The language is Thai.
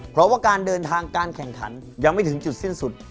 เพราะว่าการเดินทางการแข่งขันยังไม่ถึงจุดสิ้นสุด